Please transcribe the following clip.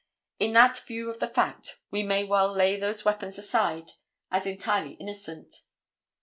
In that view of the fact we may well lay those weapons aside as entirely innocent.